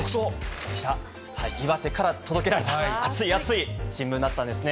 こちら、岩手から届けられた、熱い熱い新聞だったんですね。